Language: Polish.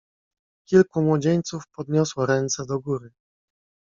"Kilku młodzieńców podniosło ręce do góry."